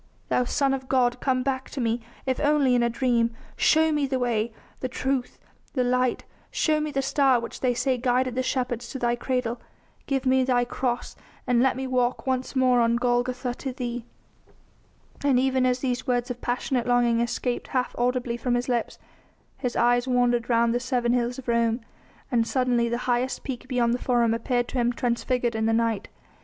Thou Son of God, come back to me, if only in a dream ... show me the way, the truth, the light; show me the star which they say guided the shepherds to Thy cradle ... give me Thy cross, and let me walk once more on Golgotha to Thee." And even as these words of passionate longing escaped half audibly from his lips his eyes wandered round the seven hills of Rome, and suddenly the highest peak beyond the Forum appeared to him transfigured in the night.